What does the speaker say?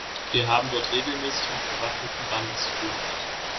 Wir haben dort regelmäßig mit bewaffneten Banden zu tun.